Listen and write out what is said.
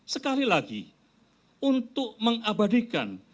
sekali lagi untuk mengabadikan